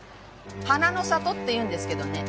「花の里」っていうんですけどね。